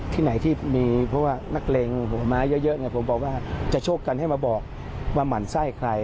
ที่ไหนที่มีเพราะว่านักเลงหัวม้าเยอะผมบอกว่าจะโชคกันให้มาบอกว่าหมั่นไส้ใคร